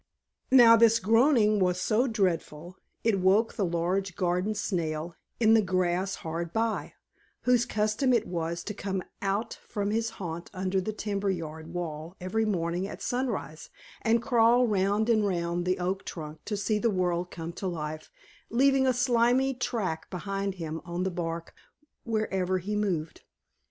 Now this groaning was so dreadful, it woke the large Garden Snail in the grass hard by, whose custom it was to come out from his haunt under the timber yard wall every morning at sunrise, and crawl round and round the Oak trunk to see the world come to life, leaving a slimy track behind him on the bark wherever he moved.